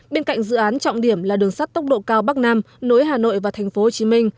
bên cạnh dự án trọng điểm là đường sắt tốc độ cao bắc nam nối hà nội và tp hcm